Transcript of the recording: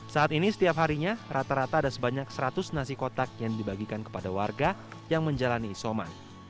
saat ini setiap harinya rata rata ada sebanyak seratus nasi kotak yang dibagikan kepada warga yang menjalani isoman